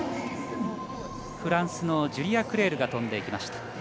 フランスのジュリア・クレールが飛んでいきました。